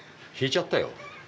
引いちゃったよ。